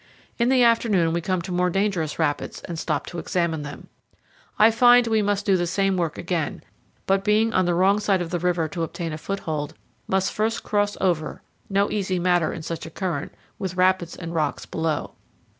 In the afternoon we come to more dangerous rapids and stop to examine them. I find we must do the same work 138 8 CANYONS OF THE COLORADO. again, but, being on the wrong side of the river to obtain a foothold, must first cross over no very easy matter in such a current, with rapids and rocks below.